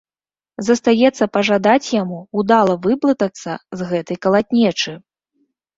Застаецца пажадаць яму ўдала выблытацца з гэтай калатнечы.